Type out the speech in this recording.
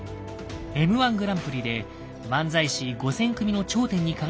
Ｍ−１グランプリで漫才師５，０００組の頂点に輝いた瞬間